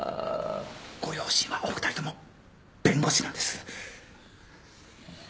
ご両親はお二人とも弁護士なんです。